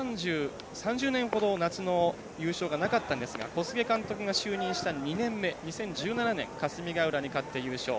３０年ほど夏の優勝がなかったんですが小菅監督が就任した２年目２０１７年、霞ヶ浦に勝って優勝。